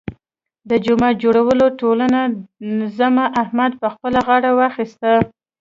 د جومات جوړولو ټوله ذمه احمد په خپله غاړه واخیستله.